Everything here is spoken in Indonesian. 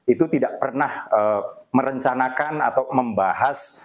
itu tidak pernah merencanakan atau membahas